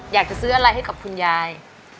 อยากจะซื้ออะไรให้กับคุณยาย